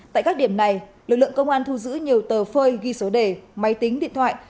tại các điểm này lực lượng công an thu giữ nhiều tờ phơi ghi số đề máy tính điện thoại